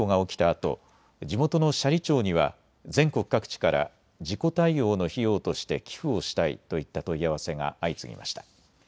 あと地元の斜里町には全国各地から事故対応の費用として寄付をしたいといった問い合わせが相次ぎました。